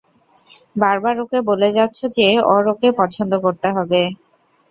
বারবার ওকে বলে যাচ্ছ যে ওর ওকে পছন্দ করতে হবে।